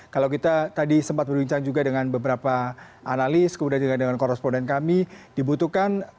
kita tadi sempat berbincang juga dengan beberapa analis kemudian dengan korresponden kami dibutuhkan